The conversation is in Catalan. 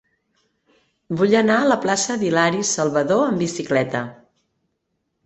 Vull anar a la plaça d'Hilari Salvadó amb bicicleta.